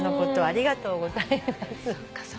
ありがとうございます。